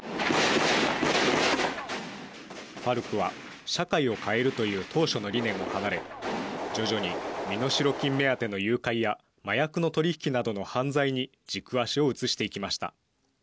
ＦＡＲＣは、社会を変えるという当初の理念を離れ徐々に、身代金目当ての誘拐や麻薬の取り引きなどの犯罪に軸足を移していきました。